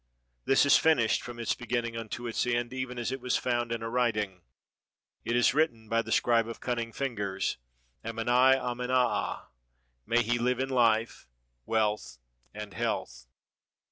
This is finished from its beginning unto its end, even as it was foimd in a writing. It is written by the scribe of cunning fingers, Ameni amenaa; may he live in life, wealth, and health!